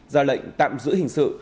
ra lệnh tạm giữ hình sự